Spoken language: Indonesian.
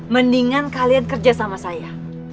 mendingan kalian kerja sama saya